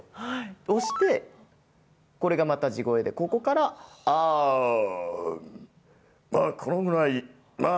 押してこれがまた地声でここからあ、このぐらい。